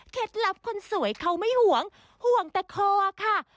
ลับคนสวยเขาไม่ห่วงห่วงแต่คอค่ะ